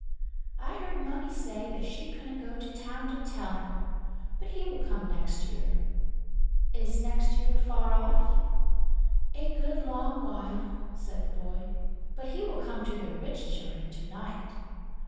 "I heard Mummy say that she couldn't go to town to tell him. But he will come next year." "Is next year far off?" "A good long while," said the boy. "But he will come to the rich children to night."